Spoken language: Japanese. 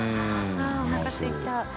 あっおなかすいちゃう。